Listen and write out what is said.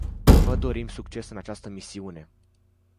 Vă dorim succes în această misiune.